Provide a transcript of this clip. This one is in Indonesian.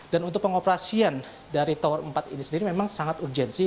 dan untuk pengoperasian dari tower empat ini sendiri memang sangat urgensi